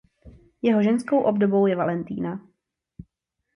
Jeho ženskou obdobou je Valentýna.